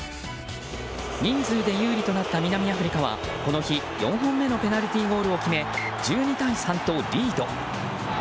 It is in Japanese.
人数で有利となった南アフリカはこの日、４本目のペナルティーゴールを決め１２対３とリード。